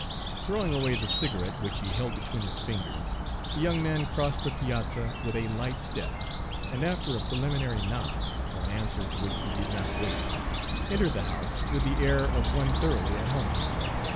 Throwing away the cigarette which he held between his fingers, the young man crossed the piazza with a light step, and after a preliminary knock, for an answer to which he did not wait, entered the house with the air of one thoroughly at home.